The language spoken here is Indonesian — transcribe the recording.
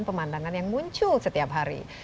pemandangan yang muncul setiap hari